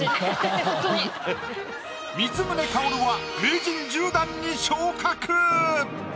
光宗薫は名人１０段に昇格！